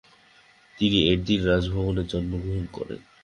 তিনি এদির্ন রাজভবনে জন্ম গ্রহণ করেন।